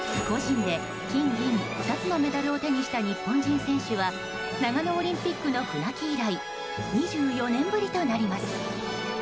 個人で金銀２つのメダルを手にした日本人選手は長野オリンピックの船木以来２４年ぶりとなります。